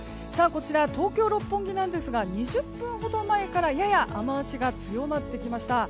こちら、東京・六本木なんですが２０分ほど前からやや雨脚が強まってきました。